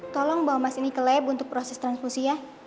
tolong bawa mas ini ke lab untuk proses transfusia